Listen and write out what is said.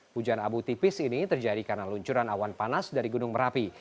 hujan abu tipis ini terjadi karena luncuran awan panas dari gunung merapi